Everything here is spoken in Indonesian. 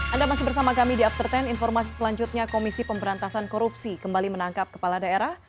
anda masih bersama kami di after sepuluh informasi selanjutnya komisi pemberantasan korupsi kembali menangkap kepala daerah